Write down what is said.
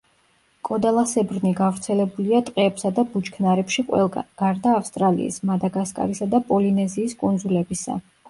კოდალასებრნი გავრცელებულია ტყეებსა და ბუჩქნარებში ყველგან, გარდა ავსტრალიის, მადაგასკარისა და პოლინეზიის კუნძულებისა.